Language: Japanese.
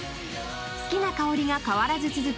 好きな香りが変わらず続く